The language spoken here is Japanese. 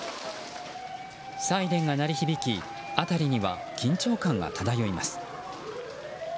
サイレンが鳴り響き辺りには緊張感が漂います。